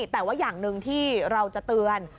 แต่ว่าอย่างหนึ่งที่เราจะเตือน